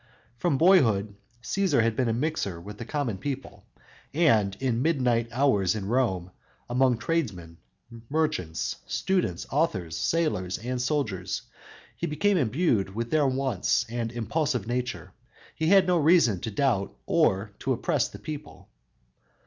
From boyhood Cæsar had been a mixer with the common people, and in midnight hours in Rome, among tradesmen, merchants, students, authors, sailors and soldiers, he became imbued with their wants and impulsive nature. He had no reason to doubt or oppress the people.